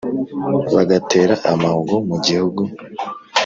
bagatera amahugu mu gihugu